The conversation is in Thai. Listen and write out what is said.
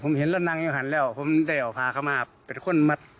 ผมเห็นแล้วนางยังหันแล้วผมได้เอาพาเขามาเป็นคนมา